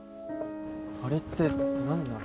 あれって何なの？